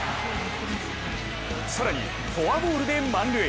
更にフォアボールで満塁。